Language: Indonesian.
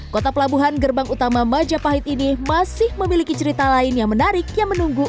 kota pelabuhan gerbang utama majapahit ini masih memiliki cerita lain yang menarik yang menunggu